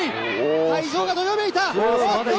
会場がどよめいた。